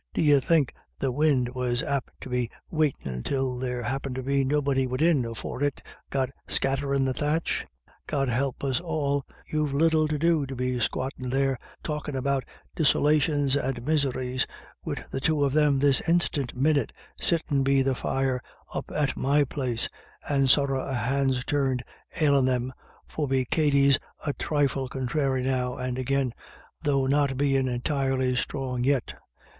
D'ye think the win' was apt to be waitin' till there happened to be nobody widin, afore it got scatterin' the thatch? God help us all, you've little to do to be squattin' there talkin' about disolations and miseries, wid the two of them this instiant minnit sittin' be the fire up at my place, and sorra a hand's turn ailin' them, forby Katty's a thrifle conthrary now and agin, through not bein' entirely strong yit."